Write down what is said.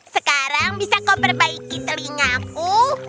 sekarang bisa kau perbaiki telingaku